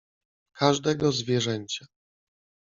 każdego zwierzęcia.